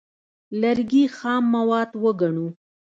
لرګي خام مواد وګڼو.